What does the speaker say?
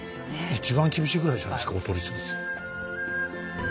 一番厳しいぐらいじゃないですかお取り潰し。